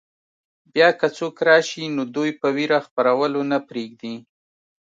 بیا که څوک راشي نو دوی په وېره خپرولو نه پرېږدي.